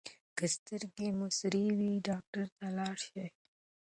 که سترګې مو سرې وي ډاکټر ته لاړ شئ.